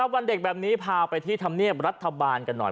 วันเด็กแบบนี้พาไปที่ธรรมเนียบรัฐบาลกันหน่อย